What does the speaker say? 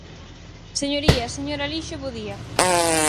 Señorías, señor Alixo, bo día.